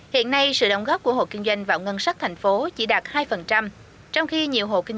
hiện nay sự đóng góp của hộ kinh doanh vào ngân sách thành phố chỉ đạt hai trong khi nhiều hộ kinh